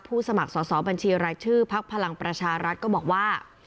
สมัครสอบบัญชีรายชื่อพักพลังประชารัฐก็บอกว่า